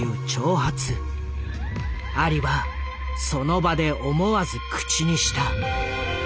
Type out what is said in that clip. アリはその場で思わず口にした。